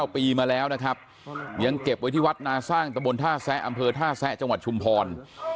ปีมาแล้วนะครับยังเก็บไว้ที่วัดนาสร้างตะบนท่าแซะอำเภอท่าแซะจังหวัดชุมพร